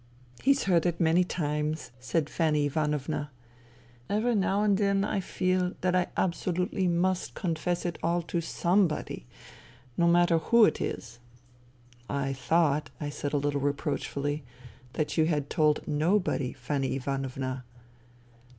" He's heard it many times," said Fanny Ivan ovna. Every now and then I feel that I absolutely must confess it all to somebody ... no matter who it is." " I thought," I said a little reproachfully, '* that you had told nobody, Fanny Ivanovna."